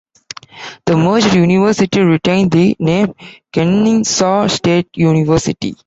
The merged university retained the name Kennesaw State University.